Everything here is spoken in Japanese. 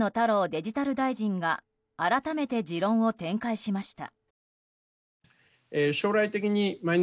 デジタル大臣が改めて持論を展開しました。